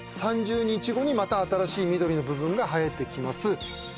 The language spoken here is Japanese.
３０日後にまた新しい緑の部分が生えてきます